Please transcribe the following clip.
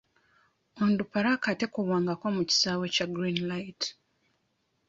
Onduparaka tekubwangako mu kisaawe kya Green Light.